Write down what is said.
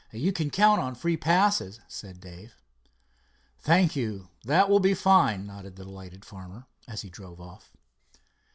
"You can count on free passes," said Dave. "Thank you, that will be fine," nodded the delighted farmer as he drove off.